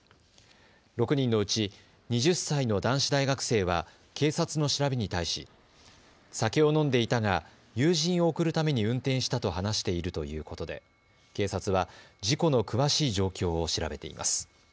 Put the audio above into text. ６人のうち２０歳の男子大学生は警察の調べに対し、酒を飲んでいたが友人を送るために運転したと話しているということで警察は事故の詳しい状況を調べています。